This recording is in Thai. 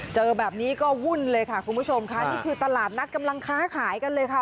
เจอแบบนี้ก็วุ่นเลยค่ะคุณผู้ชมค่ะนี่คือตลาดนัดกำลังค้าขายกันเลยค่ะ